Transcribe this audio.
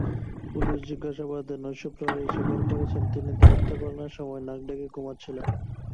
পুলিশি জিজ্ঞাসাবাদে নৈশপ্রহরী স্বীকার করেছেন, তিনি দায়িত্ব পালনের সময় নাক ডেকে ঘুমাচ্ছিলেন।